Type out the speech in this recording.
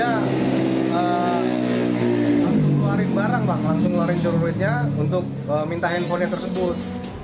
ya langsung keluarin barang bang langsung ngeluarin celuritnya untuk minta handphonenya tersebut